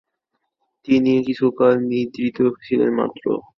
তিনি কিছুকাল নিদ্রিত ছিলেন মাত্র।